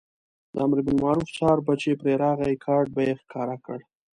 د امربالمعروف څار به چې پرې راغی کارټ به یې ښکاره کړ.